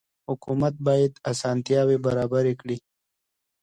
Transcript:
حکومت بايد اسانتياوي برابري کړي.